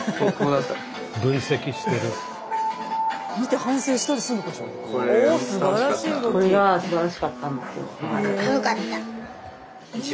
見て反省したりするのかしら。